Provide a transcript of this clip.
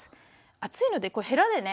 熱いのでへらでね